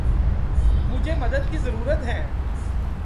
مجھے مدد کی ضرورت ہے۔